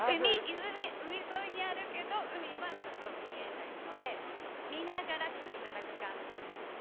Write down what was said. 海沿いにあるけど海は、ちょっと見えないので見ながら来ていただく感じです。